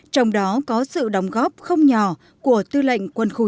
trong đó có sự đóng góp không nhỏ của tư lệnh quân khu chín